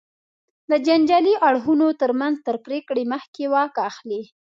د جنجالي اړخونو تر منځ تر پرېکړې مخکې واک اخلي.